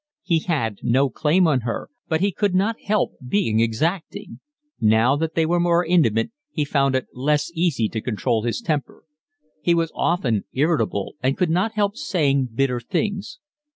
He had no claim on her, but he could not help being exacting. Now that they were more intimate he found it less easy to control his temper; he was often irritable and could not help saying bitter things.